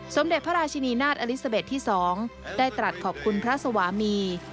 สมเด็จพระราชินีนาฏอลิซาเบสที่๒ได้ตรัสขอบคุณพระสวามี